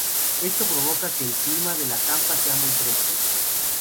Esto provoca que el clima de La Campa sea muy fresco.